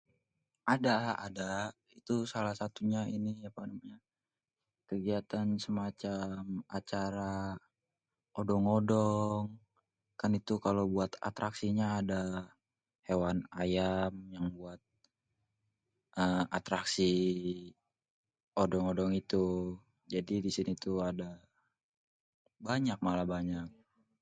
ada, ada ituh salah satunya inih apa namanya kegiatan semacém acara, odong-odong, kan itu kalo buat atraksinya ada hewan ayam, yang buat êê atraksi odong-odong itu jadi di sini tuh ada, banyak malah banyak